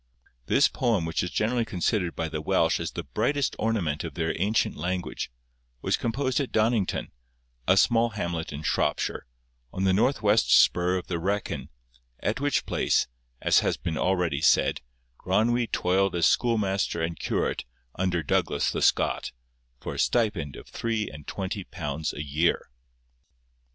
This poem, which is generally considered by the Welsh as the brightest ornament of their ancient language, was composed at Donnington, a small hamlet in Shropshire, on the north west spur of the Wrekin, at which place, as has been already said, Gronwy toiled as schoolmaster and curate under Douglas the Scot, for a stipend of three and twenty pounds a year.